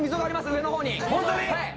上の方にホントに！